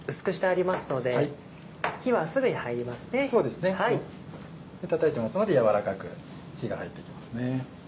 でたたいてますので軟らかく火が入っていきますね。